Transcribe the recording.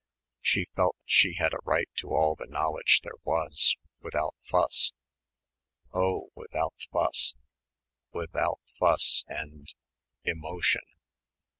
She felt she had a right to all the knowledge there was, without fuss ... oh, without fuss without fuss and emotion....